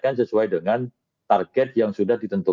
dan already mengalami permintaan sekitip lalu